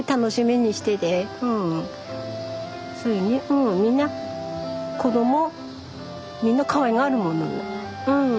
もうみんな子どもみんなかわいがるものうん。